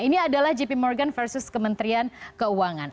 ini adalah jp morgan versus kementerian keuangan